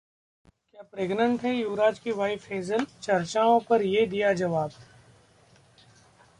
क्या प्रेग्नेंट हैं युवराज की वाइफ हेजल? चर्चाओं पर ये दिया जवाब